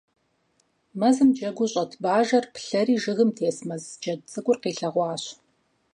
Мэзым джэгуу щӀэт Бажэр плъэри жыгым тес, Мэз джэд цӀыкӀур къилъэгъуащ.